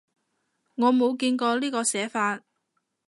我冇見過呢個寫法